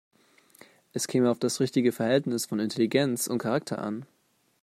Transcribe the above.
Es käme auf das richtige Verhältnis von Intelligenz und Charakter an.